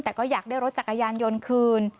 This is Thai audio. แต่ก็อยากได้รถจักรยานยนต์คืน